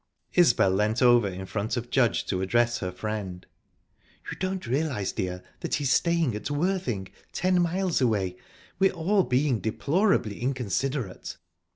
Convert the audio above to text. Isbel leant over in front of Judge to address her friend. "You don't realise, dear, that he's staying at Worthing ten miles away. We're all being deplorably inconsiderate."